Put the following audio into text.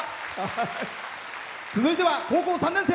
続いては高校３年生。